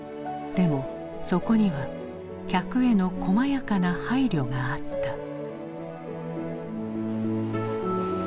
でもそこには客へのこまやかな配慮があった。